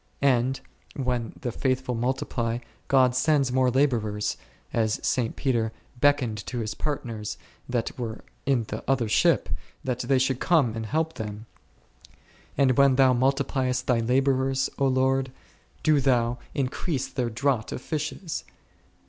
And when the faithful multiply, God sends more labourers, as St. Peter beckoned to his partners, that were in the other ship, that they should come and help them; and when Thou multipliest Thy labourers, O Lord, do Thou in Psalm xxx. 9. o o 62 ©n ?&olg Ftrgmttg. crease their draught of fishes